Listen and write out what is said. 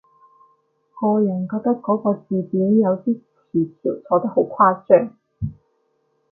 個人覺得嗰個字典有啲詞條錯得好誇張